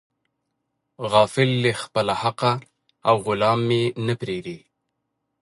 غافل له خپله حقه او غلام مې نه پریږدي.